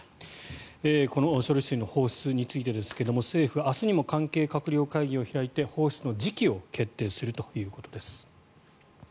この処理水の放出についてですが政府、明日にも関係閣僚会議を開いて放出の時期を決定するということです。